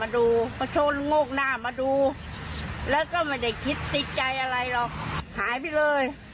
ดูมาชนโงกหน้ามาดูแล้วก็ไม่ได้คิดติดใจอะไรหรอกหายไปเลย